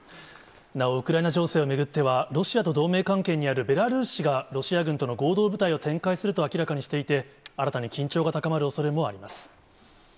なお、ウクライナ情勢を巡っては、ロシアと同盟関係にあるベラルーシが、ロシア軍との合同部隊を展開すると明らかにしていて、新たに緊張が高まるおそれもあります。